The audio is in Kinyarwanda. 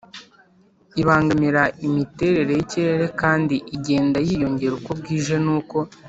ibangamira imiterere y'ikirere kandi igenda yiyongera uko bwije n'uko